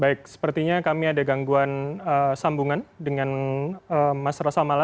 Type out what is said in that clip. baik sepertinya kami ada gangguan sambungan dengan mas rassamala